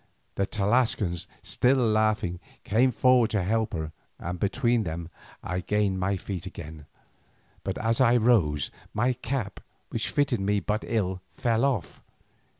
The Tlascalan, still laughing, came forward to help her, and between them I gained my feet again, but as I rose, my cap, which fitted me but ill, fell off.